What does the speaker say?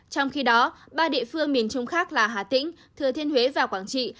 trong khi đó ba địa phương miền trung khác là hà tĩnh thừa thiên huế và quảng trị